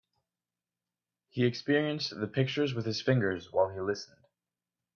He experienced the pictures with his fingers while he listened.